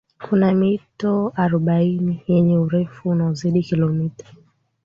kuna mito arobaini yenye urefu unaozidi kilomita